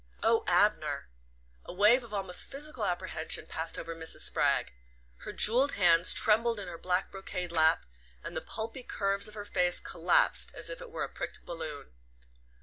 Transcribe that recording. "Oh, Abner!" A wave of almost physical apprehension passed over Mrs. Spragg. Her jewelled hands trembled in her black brocade lap, and the pulpy curves of her face collapsed as if it were a pricked balloon.